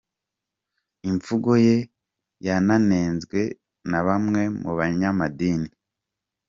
Imvugo ye yananenzwe na bamwe mu banyamadini.